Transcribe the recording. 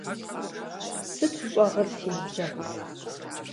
Сыт ущӀэгъыр си ныбжьэгъуфІ?